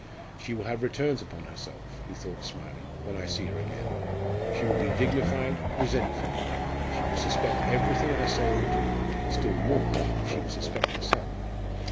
"She will have returns upon herself," he thought smiling, "when I see her again. She will be dignified, resentful; she will suspect everything I say or do still more, she will suspect herself.